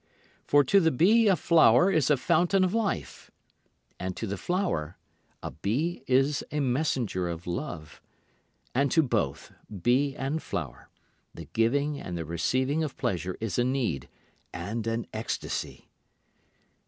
For to the bee a flower is a fountain of life, And to the flower a bee is a messenger of love, And to both, bee and flower, the giving and the receiving of pleasure is a need and an ecstasy.